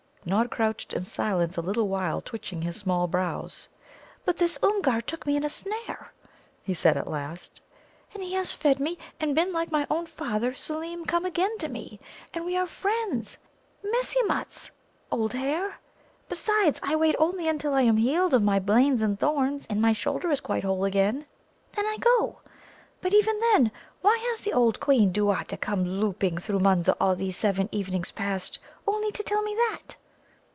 Nod crouched in silence a little while, twitching his small brows. "But this Oomgar took me in a snare," he said at last. "And he has fed me, and been like my own father Seelem come again to me, and we are friends 'messimuts,' old hare. Besides, I wait only until I am healed of my blains and thorns, and my shoulder is quite whole again. Then I go. But even then, why has the old Queen duatta come louping through Munza all these seven evenings past, only to tell me that?"